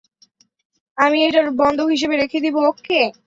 আমি এটা বন্ধক হিসেবে রেখে দিবো, ওকে?